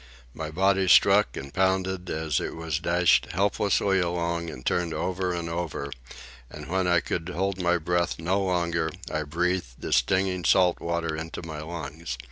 My body struck and pounded as it was dashed helplessly along and turned over and over, and when I could hold my breath no longer, I breathed the stinging salt water into my lungs.